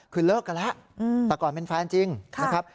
คือเลิกกันแล้วแต่ก่อนเป็นแฟนจริงนะครับ